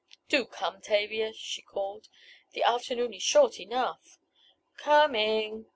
"Do come, Tavia!" she called. "The afternoon is short enough!" "Com—ing!"